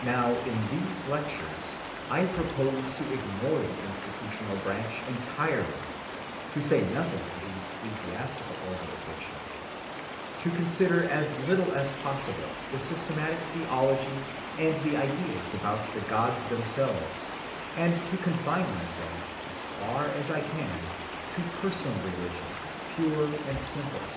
Now in these lectures I propose to ignore the institutional branch entirely, to say nothing of the ecclesiastical organization, to consider as little as possible the systematic theology and the ideas about the gods themselves, and to confine myself as far as I can to personal religion pure and simple.